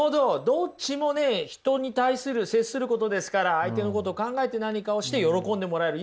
どっちもね人に対する接することですから相手のことを考えて何かをして喜んでもらえる。